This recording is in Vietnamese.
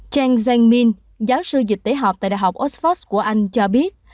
chen zhengmin giáo sư dịch tế học tại đại học oxford của anh cho biết